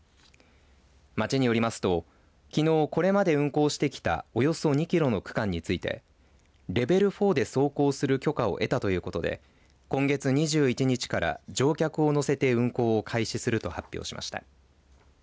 町によりますと、きのうこれまで運行してきたおよそ２キロの区間についてレベル４で走行する許可を得たということで今月２１日から乗客を乗せて運行を開始すると発表しました。